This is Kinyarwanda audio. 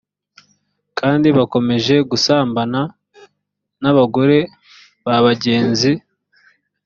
kandi bakomeje gusambana n abagore ba bagenzi